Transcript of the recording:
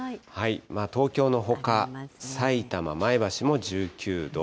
東京のほか、さいたま、前橋も１９度。